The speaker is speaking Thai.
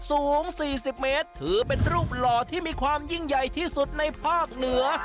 สูง๔๐เมตรถือเป็นรูปหล่อที่มีความยิ่งใหญ่ที่สุดในภาคเหนือ